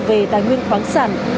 về tài nguyên khoáng sản